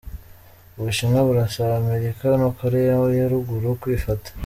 Ubushinwa burasaba Amerika na Korea ya ruguru kwifata.